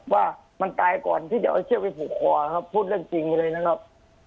ว่ามันตายก่อนที่จะเอาเชือกไปผูกคอครับพูดเรื่องจริงเลยนะครับ